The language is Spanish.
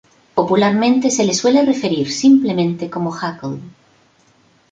Popularmente se le suele referir simplemente como Heckel.